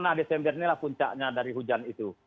nah desember ini puncaknya dari hujan itu